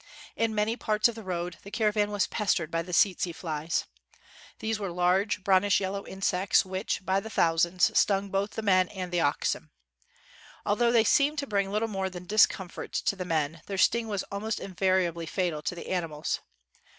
In many parts of the road, the caravan was pestered by the tsetse flies. These were large brownish yellow insects which, by thousands, stung both the men and the oxen. Although they seemed to bring little more than discomfort to the men their sting was almost invariably fatal to the animals.